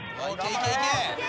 いけいけ。